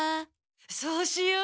そうしよう。